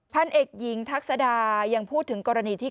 พันเอกหญิงทักษดายังพูดถึงกรณีที่